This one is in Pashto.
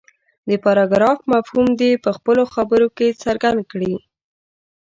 د پراګراف مفهوم دې په خپلو خبرو کې څرګند کړي.